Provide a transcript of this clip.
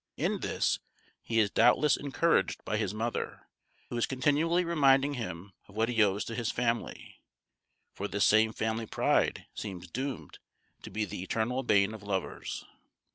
In this he is doubtless encouraged by his mother, who is continually reminding him of what he owes to his family; for this same family pride seems doomed to be the eternal bane of lovers.